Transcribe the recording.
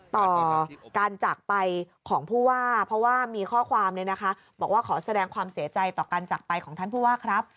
ต่อการจากไปของผู้ว่าเพราะว่ามีข้อความบอกว่าขอแสดงความเสียใจต่อการจักรไปของท่านผู้ว่าครับ